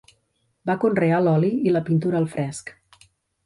Va conrear l'oli i la pintura al fresc.